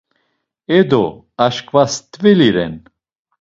E do, açkva stveli ren.